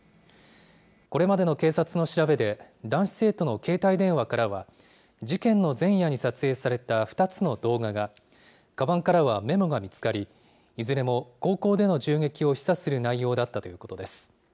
これまでの警察の調べで、男子生徒の携帯電話からは、事件の前夜に撮影された２つの動画が、かばんからはメモが見つかり、いずれも高校での銃撃を示唆する内容だったということです。